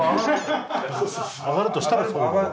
上がるとしたら。